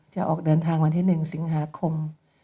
จะออกเดินทางวันที่๑สิงหาคม